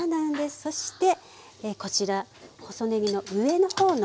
そしてこちら細ねぎの上の方の部分ですね。